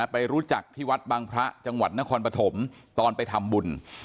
ไปรู้จักที่วัดบางพระจังหวัดนครปฐมตอนไปทำบุญ